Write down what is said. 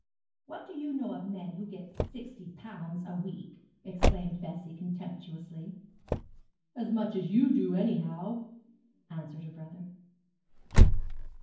What do you know of men who get sixty pounds a week?' exclaimed Bessie, contemptuously. 'As much as you do, anyhow,' answered her brother.